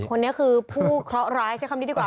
คนนี้คือผู้เคราะห์ร้ายใช้คำนี้ดีกว่า